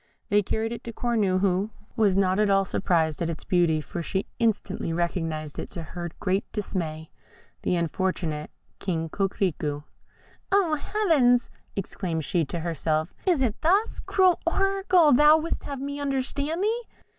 They carried it to Cornue, who was not at all surprised at its beauty, for she instantly recognised, to her great dismay, the unfortunate King Coquerico. "Oh, Heavens!" exclaimed she to herself; "is it thus, cruel oracle, thou wouldst have me understand thee?"